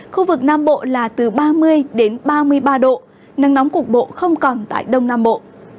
khu vực nam bộ là từ ba mươi đến ba mươi ba độ nắng nóng cục bộ không còn tại đông nam bộ